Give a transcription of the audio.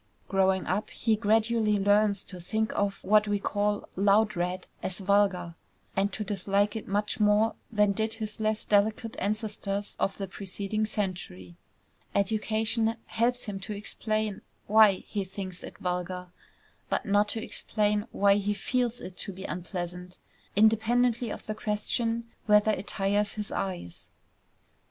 Growing up he gradually learns to think of what we call "loud red" as vulgar, and to dislike it much more than did his less delicate ancestors of the preceding century. Education helps him to explain why he thinks it vulgar, but not to explain why he feels it to be unpleasant, independently of the question whether it tires his eyes.